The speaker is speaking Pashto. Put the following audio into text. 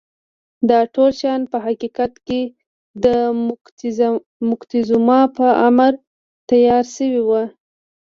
دا ټول شیان په حقیقت کې د موکتیزوما په امر تیار شوي وو.